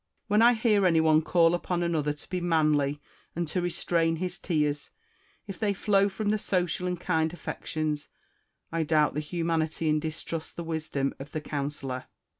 Wheii I hear anyone call upon another to be manly and to restrain his tears, if they flow from the social and kind affections, I doubt the humanity and distrust the wisdom of the counsellor.